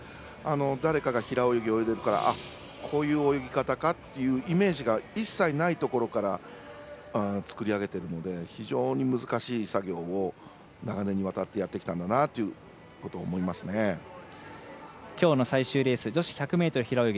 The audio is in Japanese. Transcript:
誰かが平泳ぎ泳いでるからこういう泳ぎ方かってイメージが一切ないところから作り上げているので非常に難しい作業を長年にわたってやってきたときょうの最終レース女子１００ｍ平泳ぎ